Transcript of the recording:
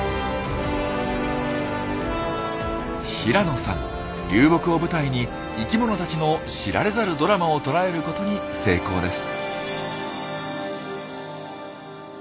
平野さん流木を舞台に生きものたちの知られざるドラマを捉えることに成功です。